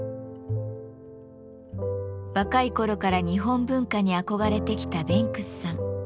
若い頃から日本文化に憧れてきたベンクスさん。